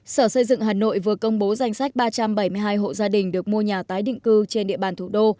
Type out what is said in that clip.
sở xây dựng hà nội vừa công bố danh sách ba trăm bảy mươi hai hộ gia đình được mua nhà tái định cư trên địa bàn thủ đô